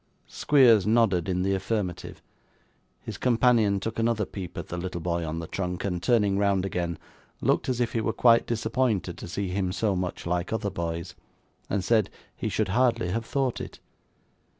Squeers nodded in the affirmative; his companion took another peep at the little boy on the trunk, and, turning round again, looked as if he were quite disappointed to see him so much like other boys, and said he should hardly have thought it.